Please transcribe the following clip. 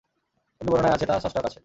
অন্য বর্ণনায় আছে, তা ষষ্ঠ আকাশে।